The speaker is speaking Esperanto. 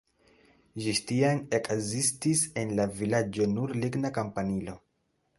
Ĝis tiam ekzistis en la vilaĝo nur ligna kampanilo.